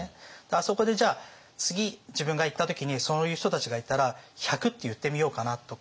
あそこでじゃあ次自分が行った時にそういう人たちがいたら１００って言ってみようかなとか。